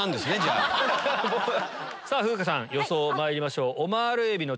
さぁ風花さん予想まいりましょう。